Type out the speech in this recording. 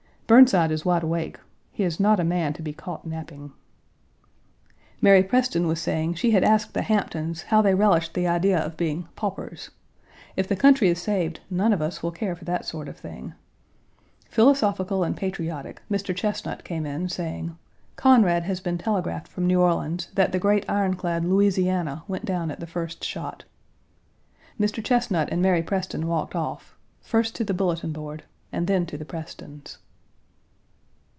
Burnside is wide awake; he is not a man to be caught napping. Mary Preston was saying she had asked the Hamptons how they relished the idea of being paupers. If the country is saved none of us will care for that sort of thing. Philosophical and patriotic, Mr. Chesnut came in, saying: "Conrad has been telegraphed from New Orleans that the great iron clad Louisiana went down at the first shot." Mr. Chesnut and Mary Preston walked off, first to the bulletin board and then to the Prestons'.